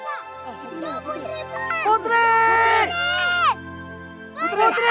ayo mulakan ke kristal dulu ya